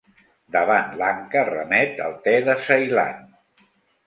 Davant Lanka remet al te de Ceilan.